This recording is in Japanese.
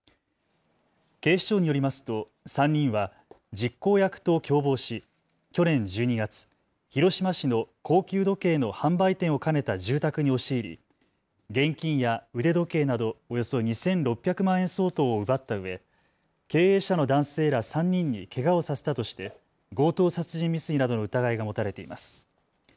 警視庁によりますと３人は実行役と共謀し去年１２月、広島市の高級時計の販売店を兼ねた住宅に押し入り現金や腕時計などおよそ２６００万円相当を奪ったうえ、経営者の男性ら３人にけがをさせたとして強盗殺人未遂などの疑いが持たれています。